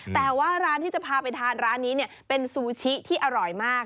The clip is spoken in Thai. แต่ว่าร้านที่จะพาไปทานร้านนี้เป็นซูชิที่อร่อยมาก